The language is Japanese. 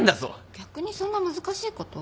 逆にそんな難しいこと？